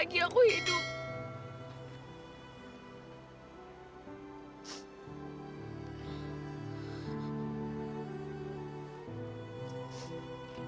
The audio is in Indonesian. aku emang gak berguna sama sekali